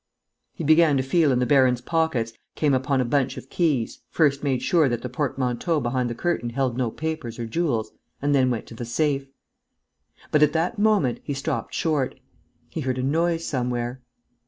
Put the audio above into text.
He began to feel in the baron's pockets, came upon a bunch of keys, first made sure that the portmanteau behind the curtain held no papers or jewels, and then went to the safe. But, at that moment, he stopped short: he heard a noise somewhere.